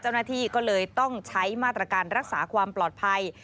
เจ้าหน้าที่ก็เลยต้องใช้มาตรการรักษาความปลอดภัย